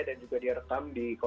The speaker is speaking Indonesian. tidak ada lagunya paradigm